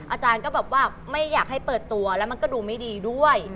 อาจารย์ก็แบบว่าไม่อยากให้เปิดตัวแล้วมันก็ดูไม่ดีด้วย